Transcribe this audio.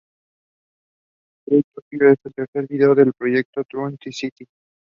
Most of programmers time are invested in reading the source code.